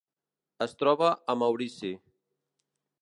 Es troba a Maurici.